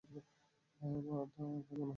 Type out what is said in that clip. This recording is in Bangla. আহ, আমার তা মনে হয় না।